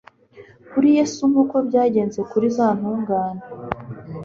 Kuri Yesu nkuko byagenze kuri za ntungane